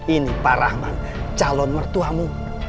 ini pak rahman calon mertuamu